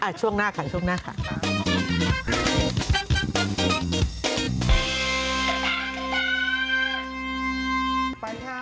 ช่วงหน้าค่ะช่วงหน้าค่ะ